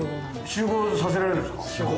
集合させられるんですか？